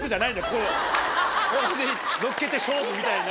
ここにのっけて勝負！みたいな。